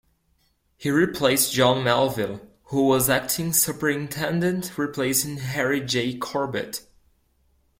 He replaced John Melville, who was acting superintendent replacing Harry J. Corbitt.